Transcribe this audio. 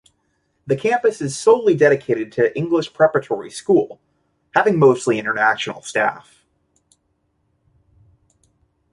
The campus is solely dedicated to English preparatory school having mostly international staff.